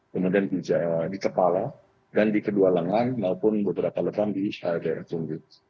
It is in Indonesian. kemudian di kepala dan di kedua lengan maupun beberapa ledam di daerah kunci